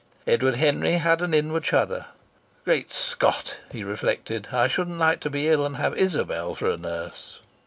Edward Henry had an inward shudder. "Great Scott!" he reflected. "I shouldn't like to be ill and have Isabel for a nurse!"